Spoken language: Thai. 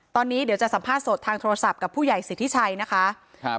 ตอนนี้เดี๋ยวจะสัมภาษณ์สดทางโทรศัพท์กับผู้ใหญ่สิทธิชัยนะคะครับ